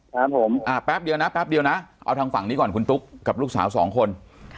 ครับผมอ่าแป๊บเดียวนะแป๊บเดียวนะเอาทางฝั่งนี้ก่อนคุณตุ๊กกับลูกสาวสองคน